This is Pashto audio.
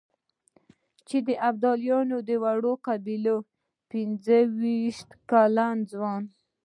چې د ابدالیو د وړې قبيلې پنځه وېشت کلن ځوان.